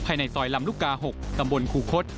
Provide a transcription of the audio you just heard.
ภายในซอยลำลูกกา๖ตำบลคูคศ